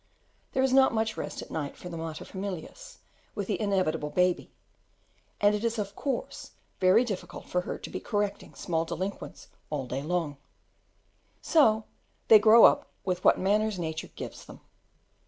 There is not much rest at night for the mater familias with the inevitable baby, and it is of course very difficult for her to be correcting small delinquents all day long; so they grow up with what manners nature gives them.